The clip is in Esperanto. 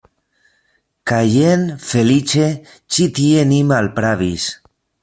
Kaj jen, feliĉe, ĉi tie ni malpravis.